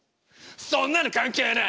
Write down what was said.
そんなの関係ねぇ！